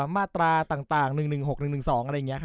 มาตราต่าง๑๑๖๑๑๒อะไรอย่างนี้ค่ะ